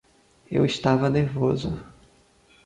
Eu estava nervoso.